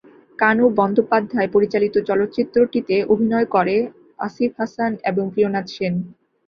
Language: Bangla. কানু বন্দ্যোপাধ্যায় পরিচালিত চলচ্চিত্রটিতে অভিনয় করে আসিফ হাসান এবং প্রিয়নাথ সেন।